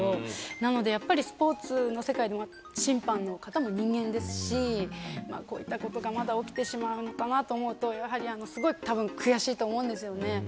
なので、スポーツの世界でも審判の方も人間ですし、まだこういうことが起きてしまうのかなと思うと、たぶん、すごく悔しいと思うんですよね。